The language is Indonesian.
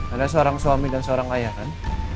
ada seorang suami dan seorang ayah kan